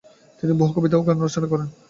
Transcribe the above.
তিনি বহু কবিতা ও গান রচনা করেন।